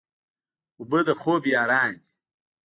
اوبه د خوب یاران دي.